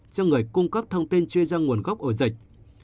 cho người cung cấp thông tin truy ra nguồn gốc ổ dịch